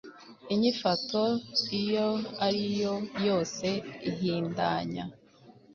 inyifato iyo ari yo yose ihindanya